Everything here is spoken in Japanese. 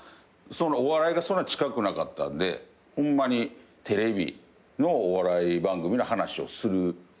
お笑いがそんなに近くなかったんでホンマにテレビのお笑い番組の話をするぐらいの。